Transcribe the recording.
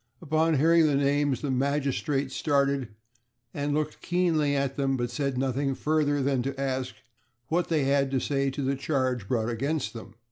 Upon hearing the names the magistrate started, and looked keenly at them, but said nothing further than to ask what they had to say to the charge brought against them.